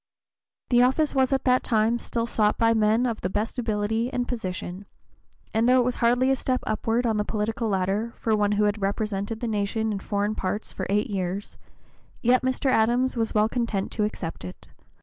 The office was at that time still sought by men of the best ability and position, and though it was hardly a step upward on the political ladder for one who had represented the nation in foreign parts for eight years, yet (p. 029) Mr. Adams was well content to accept it.